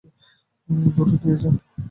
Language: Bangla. দূরে নিয়ে যা।